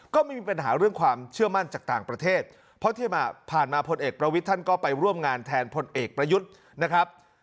ก็ไม่มีปัญหาเรื่องความเชื่อมั่นจากต่างประเทศเพราะที่ผ่านมาพลเอกประวิทย์ท่านก็ไปร่วมงานแทนพลเอกประยุทธ์นะครับ